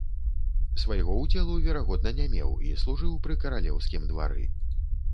Свайго ўдзелу, верагодна, не меў і служыў пры каралеўскім двары.